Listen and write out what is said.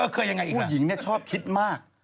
เคยยังไงอีกครับพุทธหญิงชอบคิดมาก